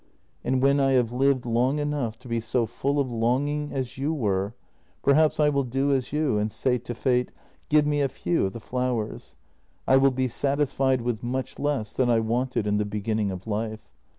And when I have lived long enough to be so full of longing as you were, perhaps I will do as you, and say to fate: Give me a few of the flowers; I will be satisfied with much less than JENNY 304 I wanted in the beginning of life.